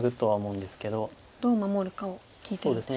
どう守るかを聞いてるんですね。